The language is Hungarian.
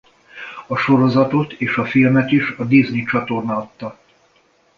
A sorozatot és a filmet is a Disney csatorna adta.